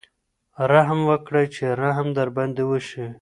رحم وکړئ چې رحم در باندې وشي.